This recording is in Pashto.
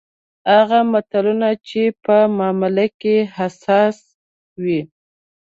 هغه ملتونه چې په معامله کې حساس وي.